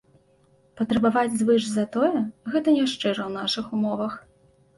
Патрабаваць звыш за тое, гэта няшчыра ў нашых умовах.